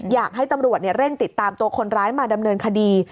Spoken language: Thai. อยากให้ตำรวจเร่งติดตามตัวคนร้ายมาดำเนินคดี